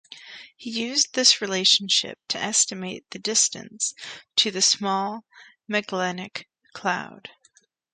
He used this relationship to estimate the distance to the Small Magellanic Cloud.